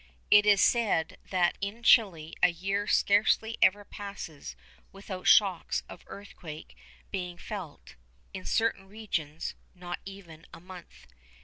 It is said that in Chili a year scarcely ever passes without shocks of earthquake being felt; in certain regions, not even a month.